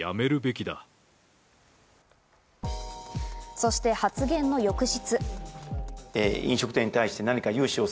そして発言の翌日。